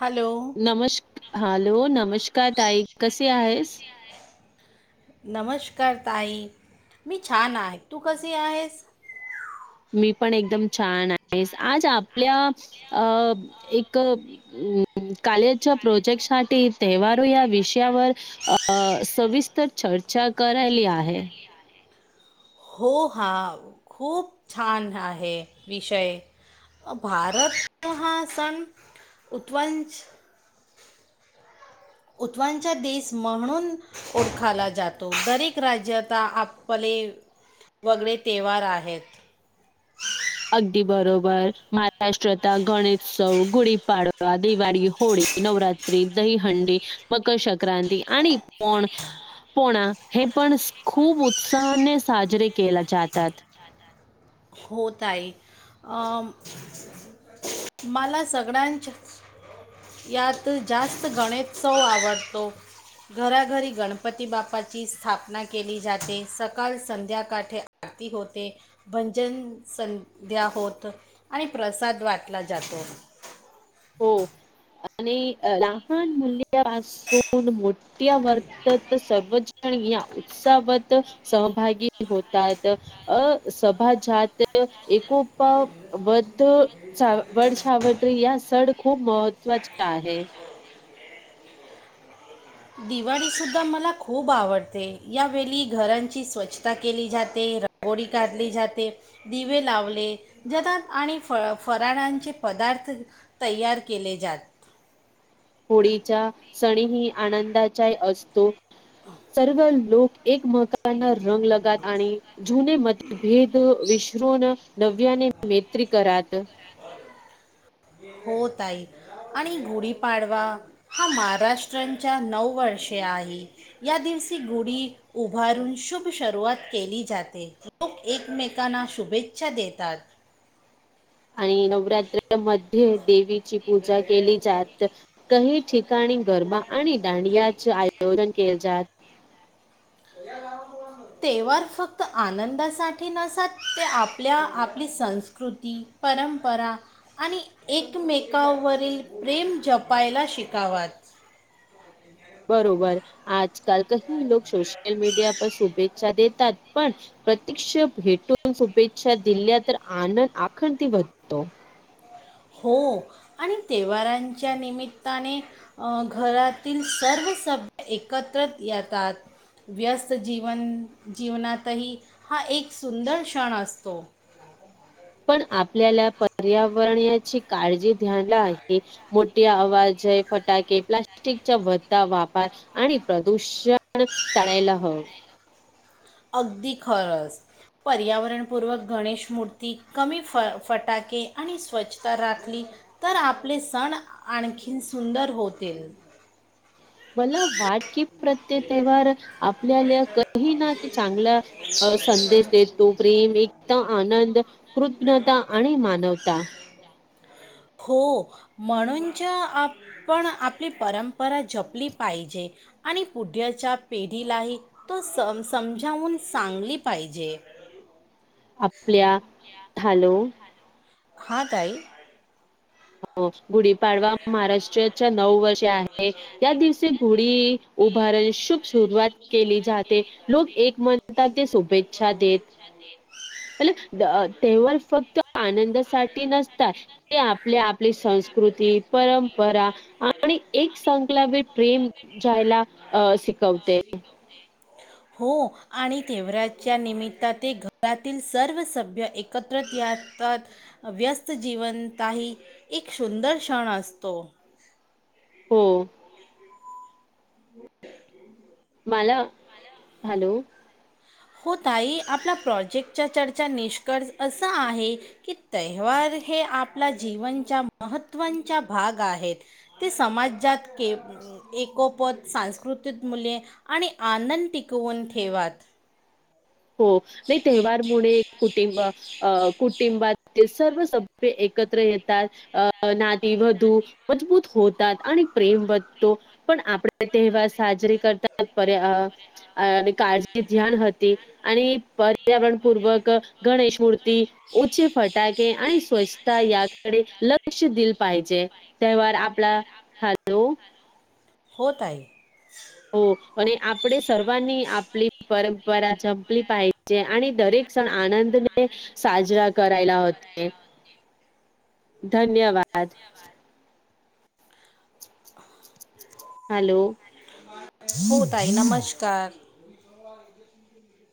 Hello. नमश. Hello. नमस्कार ताई. कसे आहेस? नमस्कार ताई. मी छान आहे. तू कशी आहेस? मी पण एकदम छान आहेस. आज आपल्या अ एक हम्म. कालेजच्या प्रोजेक्ट साठी तवार या विष यावर अ सविस्तर चर्चा करायली आहे. हो हा खूप छान आहे विषय. भारत हा सण उत्वंच उतवांच देस म्हणून ओळखायला जातो. बरीक राज्य आता आपले वगवे तवार आहेत. [unintelligible] अगदी बरोबर महाराष्ट्रत आता गणेशत्सव, गुढीपाडवा, दिवाळी, होळी, नवरात्री, दहीहंडी, मकर संक्रांती आणि पण पोळा हे पण खूप उत्साहाने साजरे केले जातात. हो ताई अं. मला सगळ्यांच यात जास्त गणेशत्सव आवडतो. घराघरी गणपती बाप्पाची स्थापना केली जाते सकाळ, संध्याकाटे आरती होते पण तेन संध्या होत आणि प्रसाद वाटला जातो. हो आणि लहान मुले त्या पासून मोठ्या वर्त सर्वच पण या उत्सावत सहभागी होतात. अ सभाजात. एकोपा वध वड सावत्री यास. तड खूप महत्त्वाचे आहे. दिवाळी सुद्धा मला खूप आवडते. यावेळी घरांची स्वच्छता केली जाते. रागोडी काढली जाते. दिवे लावले जातात आणि फ फराळांचे पदार्थ तयार केले जात. होळीच्या सण ही आनंदाचा असतो. सर्व लोक एकमकाना रंग लगात. आणि जुने मतभेद विश्रुन नव्याने मैत्री करात. हो ताई. आणि गुढीपाडवा हा महाराष्ट्रांच्या नऊ वर्षे आहे. या दिवशी गुढी उभारून शुभ शरवात केली जाते. लोक एकमेकांना शुभेच्छा देतात. आणि नवरात्रमध्ये देवीची पूजा केली जात. काही ठिकाणी गरबा आणि दांडियाचे आयोजन केले जात. [unintelligible] तेवार फक्त आनंदासाठी नसत ते आपल्या आपली संस्कृती परंपरा आणि एकमेकावरील प्रेम जपायला शिकावत. बरोबर आजकाल तर लोक सोशल मीडिया प शुभेच्छा देतात पण प्रत्यक्ष भेटून शुभेच्छा दिल्या तर आनंद आखण त बतो. हो आणि तेवारांच्या निमित्ताने अं घरातील सर्व सभ्य एकत्र येतात. व्यस्त जीवन जीवनातही हा एक सुंदर क्षण असतो. पण आपल्याला पर्यावरणाची काळजी घ्याला आहे‌. मोठे आवाजे फटाके प्लास्टिकच्या भता वापर आणि प्रदूषण टाळायला हवं. अगदी खरंच. पर्यावरणपूर्वक गणेश मूर्ती कमी फ फटाके आणि स्वच्छता राखली तर आपले सण आणखीन सुंदर होते. मला वाट के- प्रत्येक तेवार आपल्याला कही ना चांगला संदेश देतो प्रेम एक आनंद कृत्ञता आणि मानवता. हो म्हणून ज आपण आपली परं परत झपली पाहिजे. आणि उढ्याच्या पेढीलाही तो स समजावून सांगली पाहिजे. आपल्या [unintelligible] हा ताई हो गुढीपाडवा महाराष्ट्राच्या नऊ वर्षे आहे. या दिवशी गुडी उभारण शुभ सुरुवात केली जाते. लोक एक मताचे शुभेच्छा देतात. त्या [inaudible] प तेव्हार फक्त आनंदासाठी नसतात. ते आपली आपली संस्कृती. परंपरा आणि एक संकला वर प्रेम जायला अ शिकवते. [inaudible] हो आणि तेवऱ्याच्या निमित्तात ते घरातील सर्व सभ्य एकत्र यतात. व्यस्त जीवनताही एक सुंदर क्षण असतो. हो हो. हो [inaudible] मला हॅलो हो ताई आपल्या प्रॉजेक्टच्या चर्चा निष्कर्ष असा आहे. कि तैवार हे आपल्या जीवनच्या महत्त्ववांच्या भाग आहे. ते समाजात के इकोपोत सांस्कृतिक मुले आणि आनंद टिकवून ठेवात. हो नाही तेव्हारमुळे कुटिंब आ कुटिंबात ते सर्व सभ्य एकत्र येतात अ नाती वधू मजबूत होतात आणि प्रेम बंतो. पण आपडे तेहवार साजरे करतात पर्या अ आणि काळजी ध्यान हती आणि पर्यावरणपूर्वक गणेश मूर्ती उचेे फटाके आणि स्वचता या कडे लक्ष दिल पाहिजे, तेव्हार आपला हालो हो ताई. हो पणे आपडे सर्वांनी आपली परंपरा जपली पाहिजे आणि दरेक सण आनंद तने साजरा करायला होते धन्यवाद. आद हॅलो. हो ताई नमष्कार.